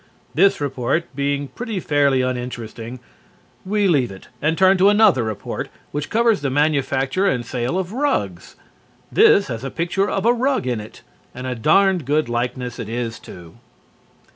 This report being pretty fairly uninteresting, we leave it and turn to another report, which covers the manufacture and sale of rugs. This has a picture of a rug in it, and a darned good likeness it is, too.